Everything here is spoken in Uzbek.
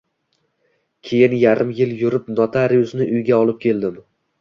Keyin yarim yil yurib notariusni uyga olib keldim.